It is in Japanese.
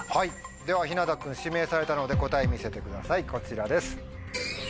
ではひなた君指名されたので答え見せてくださいこちらです。